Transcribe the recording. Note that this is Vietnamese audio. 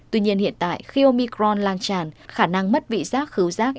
tuy nhiên hiện tại khi omicron lan tràn khả năng mất vị giác khứ giác